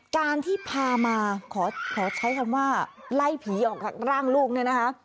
การที่พามาขอใช้คำว่าไล่ผีออกจากร่างลูกเนี่ยนะคะ